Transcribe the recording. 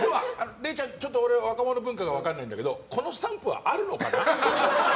れいちゃん、俺は若者文化が分からないんだけどこのスタンプはあるのかな？